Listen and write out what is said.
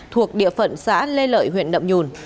thuộc địa phận xã lê lợi huyện nậm nhôn